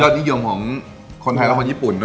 ยอดนิยมของคนไทยและคนญี่ปุ่นเนอะ